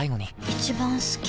一番好き